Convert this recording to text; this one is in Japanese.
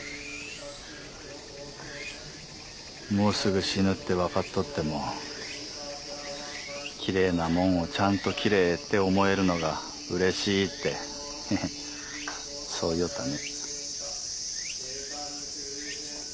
もうすぐ死ぬって分かっとっても奇麗なもんをちゃんと奇麗って思えるのがうれしいってそう言いよったね。